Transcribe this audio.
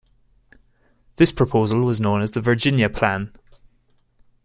This proposal was known as the Virginia Plan.